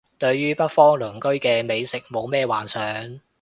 對於北方鄰居嘅美食冇咩幻想